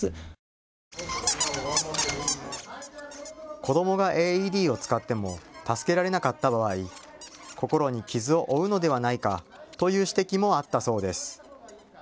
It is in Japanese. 子どもがＡＥＤを使っても助けられなかった場合、心に傷を負うのでないかという指摘もあったそうです。